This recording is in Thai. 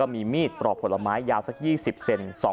มีมีดปลอกผลไม้ยาวสัก๒๐เซน